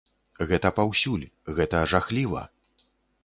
Гэта паўсюль, гэта жахліва!